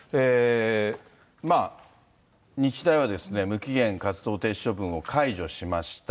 まあ、日大は無期限活動停止処分を解除しました。